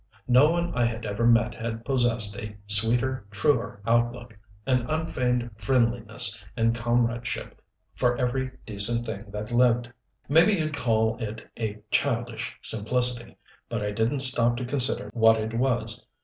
No one I had ever met had possessed a sweeter, truer outlook, an unfeigned friendliness and comradeship for every decent thing that lived. Maybe you'd call it a childish simplicity, but I didn't stop to consider what it was.